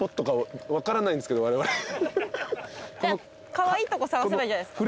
カワイイとこ探せばいいんじゃないですか？